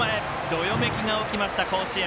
どよめきが起きました甲子園。